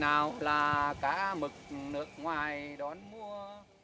nào là cá mực nước ngoài đón mua